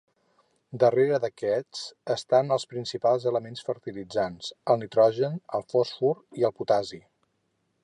Darrere d'aquests estan els principals elements fertilitzants, el nitrogen, el fòsfor, i el potassi.